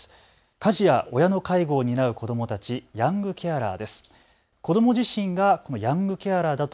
家事や親の介護を担う子どもたち、ヤングケアラーです。